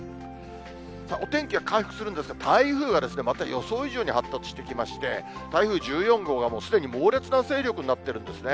お天気は回復するんですが、台風がまた予想以上に発達してきまして、台風１４号がすでに猛烈な勢力になってるんですね。